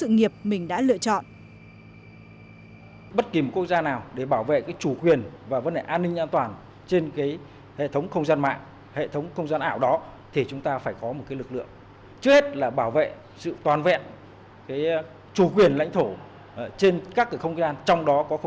nghiệp mình đã lựa chọn